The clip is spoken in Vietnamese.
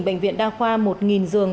bệnh viện đa khoa một nghìn giường